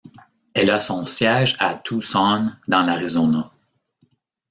Elle a son siège à Tucson, dans l'Arizona.